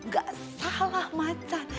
gak salah macan